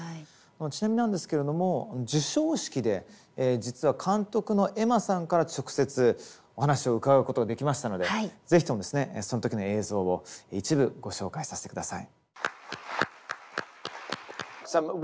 ちなみになんですけれども授賞式で実は監督のエマさんから直接お話を伺うことができましたのでぜひともその時の映像を一部ご紹介させて下さい。